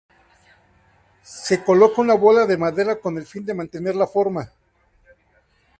Se coloca una bola de madera con el fin de mantener la forma.